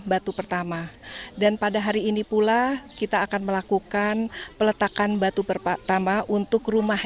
batu pertama dan pada hari ini pula kita akan melakukan peletakan batu pertama untuk rumah